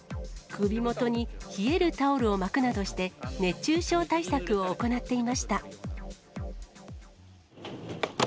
首元に冷えるタオルを巻くなどして、熱中症対策を行っていました。